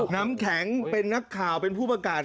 น้ำแข็งเป็นนักข่าวเป็นผู้ประกาศ